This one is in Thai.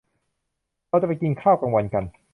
เราจะไปกินข้าวกลางวันกัน